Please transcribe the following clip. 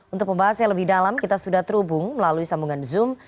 untuk pembahas yang lebih dalam kita sudah terhubung melalui sambungan zoom